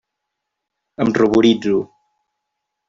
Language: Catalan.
Em ruboritzo.